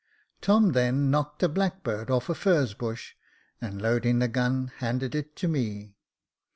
Tom then knocked a blackbird off a furze bush, and loading the gun, handed it to me.